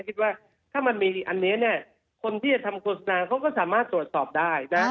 คิดว่าถ้ามันมีอันนี้เนี่ยคนที่จะทำโฆษณาเขาก็สามารถตรวจสอบได้นะ